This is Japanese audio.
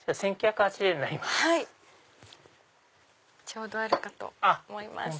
ちょうどあるかと思います。